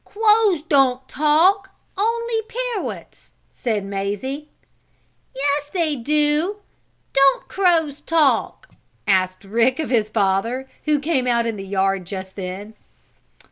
"Crows don't talk only parrots," said Mazie. "Yes, they do don't crows talk?" asked Rick of his father, who came out in the yard just then.